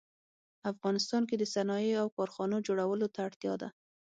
افغانستان کې د صنایعو او کارخانو جوړولو ته اړتیا ده